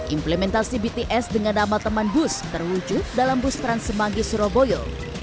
implementasi bts dengan nama teman bus terwujud dalam bus trans semanggi surabaya